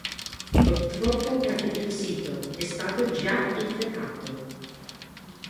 Purtroppo per il sito è stato già infettato.